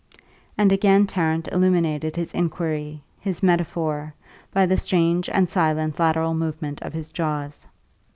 And again Tarrant illuminated his inquiry, his metaphor, by the strange and silent lateral movement of his jaws.